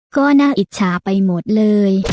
ก็น่าอิจฉาไปหมดเลย